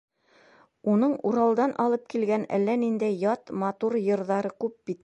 Уның Уралдан алып килгән әллә ниндәй ят, матур йырҙары күп бит.